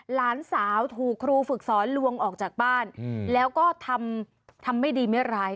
หลานสาวถูกครูฝึกสอนลวงออกจากบ้านแล้วก็ทำทำไม่ดีไม่ร้าย